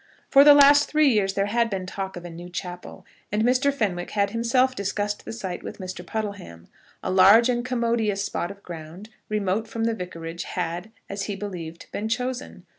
For the last three years there had been talk of a new chapel, and Mr. Fenwick had himself discussed the site with Mr. Puddleham. A large and commodious spot of ground, remote from the vicarage, had, as he believed, been chosen.